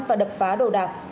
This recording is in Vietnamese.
và đập phá đồ đạc